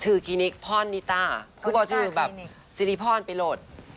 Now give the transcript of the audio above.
ชื่อคลินิกพรณิตาคือเปล่าชื่อแบบสิริพรณไปโรด